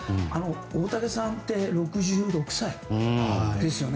大竹さんって、６６歳ですよね。